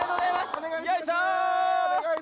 お願いします！